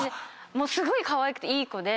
もうすごいかわいくていい子で。